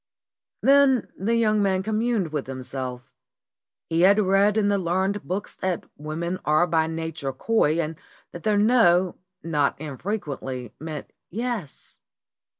Then the young man communed with himself. He had read in the learned books that women are by na ture coy, and that their "no" not infrequently meant "yes."